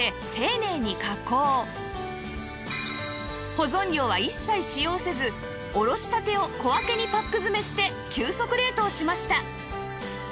保存料は一切使用せずおろしたてを小分けにパック詰めして急速冷凍しました